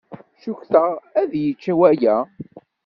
Cukkteɣ ad yečč waya.